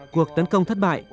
cuộc tấn công thất bại